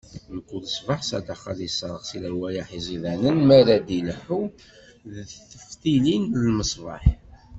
Mkul ṣṣbeḥ Sadeq ad isserɣ si lerwayeḥ iẓidanen, mi ara d-ilehhu d teftilin n lmeṣbaḥ.